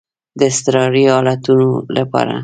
د اضطراري حالاتو لپاره.